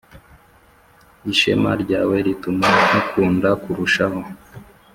ishema ryawe rituma nkukunda kurushaho